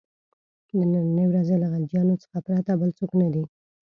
د نني ورځې له غلجیانو څخه پرته بل څوک نه دي.